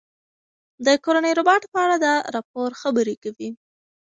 د کورني روباټ په اړه دا راپور خبرې کوي.